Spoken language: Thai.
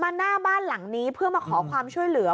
หน้าบ้านหลังนี้เพื่อมาขอความช่วยเหลือ